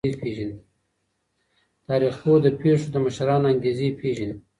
تاریخ پوه د پیښو د مشرانو انګیزې پیژني.